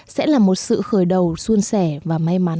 sẽ là một sự khởi đầu xuân sẻ và may mắn